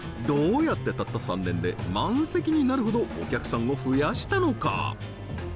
どうやってたった３年で満席になるほどお客さんを増やしたのか？